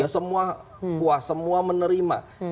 semua puas semua menerima